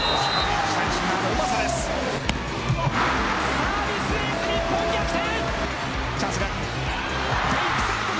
サービスエース、日本逆転。